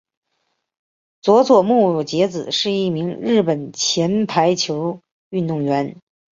佐佐木节子是一名日本前排球运动员。